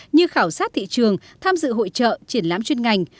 như khảo sát thị trường tham dự hội trợ triển lãm chuyên ngành